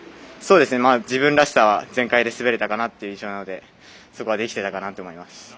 自分らしさは全開で滑れたかなっていう印象なのでそこはできていたかなと思います。